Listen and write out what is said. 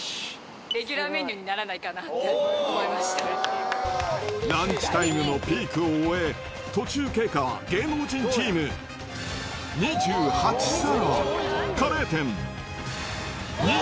レギュラーメニューにならなランチタイムのピークを終え、途中経過は芸能人チーム、２８皿。